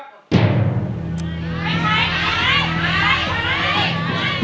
ไม่ใช้